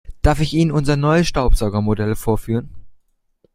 Darf ich Ihnen unser neues Staubsaugermodell vorführen?